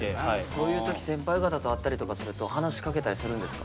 そういう時先輩方と会ったりとかすると話しかけたりするんですか？